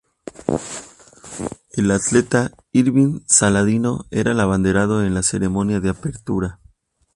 El atleta Irving Saladino era el abanderado en la ceremonia de apertura.